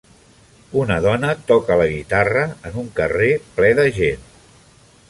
Una dona toca la guitarra en un carrer ple de gent.